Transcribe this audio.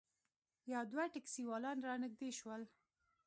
یو دوه ټیکسي والا رانږدې شول.